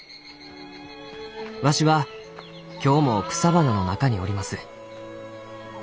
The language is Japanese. わしは今日も草花の中におります。